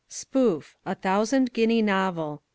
Spoof. A Thousand Guinea Novel.